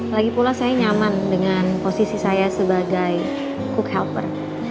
lagi pula saya nyaman dengan posisi saya sebagai cook helper